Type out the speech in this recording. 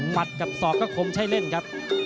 หมัดกับสอบก็คมใช้เล่นครับ